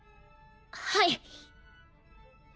はい！